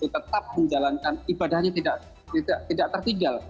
tetap menjalankan ibadahnya tidak tertinggal